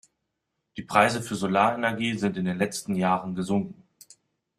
Die Preise für Solarenergie sind in den letzten Jahren gesunken.